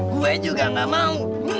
gue juga gak mau